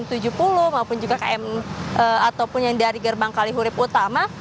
ataupun juga km ataupun yang dari gerbang kali huruf utama